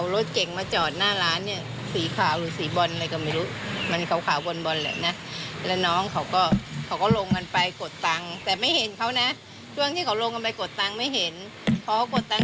รีบโทรศัพท์เขาก็เดินถอยออกมาทั้งตู้น้ำที่นั่น